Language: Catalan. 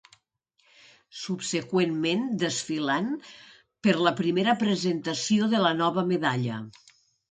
Subseqüentment desfilant per la primera presentació de la nova medalla.